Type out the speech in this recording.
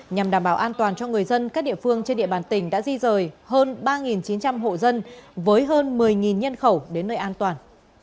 nhằm đảm bảo an toàn cho người dân các địa phương trên địa bàn tỉnh đã di rời hơn ba chín trăm linh hộ dân với hơn một mươi nhân khẩu đến nơi an toàn